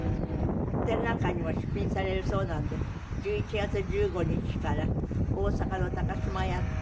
展覧会にも出品されるそうなので１１月１５日から大阪の島屋「大黄金展」。